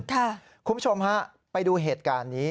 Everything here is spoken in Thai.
คุณผู้ชมฮะไปดูเหตุการณ์นี้